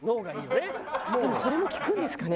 でもそれも聞くんですかね？